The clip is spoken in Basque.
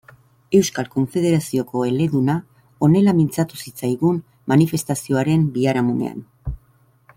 Euskal Konfederazioko eleduna honela mintzatu zitzaigun manifestazioaren biharamunean.